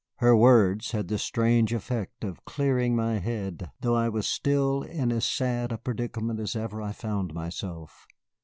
Her words had the strange effect of clearing my head, though I was still in as sad a predicament as ever I found myself.